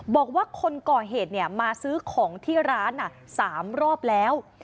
บอกว่าคนก่อเหตุเนี่ยมาซื้อของที่ร้านอ่ะสามรอบแล้ว